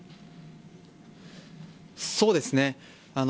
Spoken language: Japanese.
そうですね。